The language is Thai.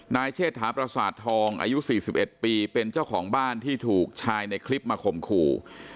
นายเชษฐาปราสาททองอายุสี่สิบเอ็ดปีเป็นเจ้าของบ้านที่ถูกชายในคลิปมาข่มครู